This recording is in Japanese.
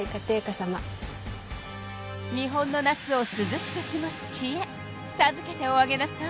日本の夏をすずしくすごすちえさずけておあげなさい。